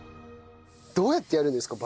どうやってやるんですか？